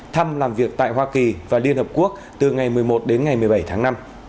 thăm làm việc tại hoa kỳ và liên hợp quốc từ ngày một mươi một đến ngày một mươi bảy tháng năm